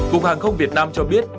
cục hàng không việt nam cho biết